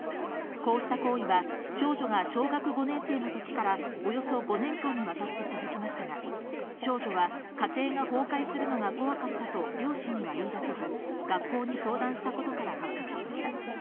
こうした行為は、少女が小学５年生のときからおよそ５年間にわたって続きましたが、少女は家庭が崩壊するのが怖かったと両親には言い出せず、学校に相談したことから発覚しました。